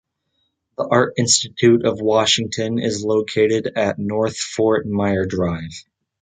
The Art Institute of Washington is located at North Fort Myer Drive.